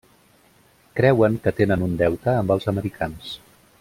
Creuen que tenen un deute amb els americans.